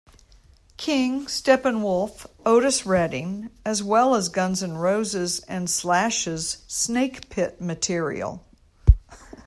King, Steppenwolf, Otis Redding, as well as Guns N' Roses and Slash's Snakepit material.